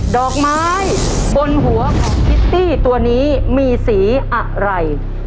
ดอกไม้บนหัวของพิตตี้ตัวนี้มีสีอะไร